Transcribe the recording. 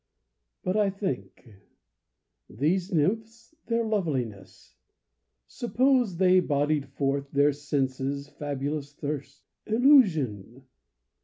But think. These nymphs, their loveliness ... suppose They bodied forth your senses' fabulous thirst? Illusion!